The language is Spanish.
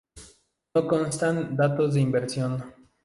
No constan datos de inversión.